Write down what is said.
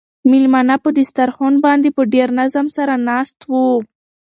مېلمانه په دسترخوان باندې په ډېر نظم سره ناست وو.